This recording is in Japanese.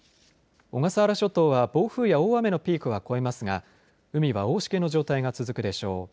小笠原諸島は暴風や大雨のピークは越えますが海は大しけの状態が続くでしょう。